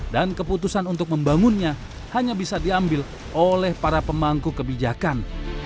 dan keputusan untuk membangunnya hanya bisa diambil oleh para pemangku kebijakan